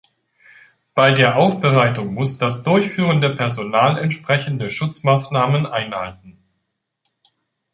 Bei der Aufbereitung muss das durchführende Personal entsprechende Schutzmaßnahmen einhalten.